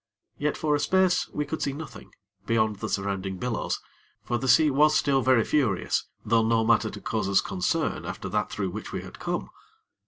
Yet, for a space, we could see nothing, beyond the surrounding billows; for the sea was still very furious, though no matter to cause us concern, after that through which we had come.